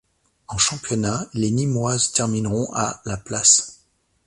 En championnat, les Nîmoises termineront à la place.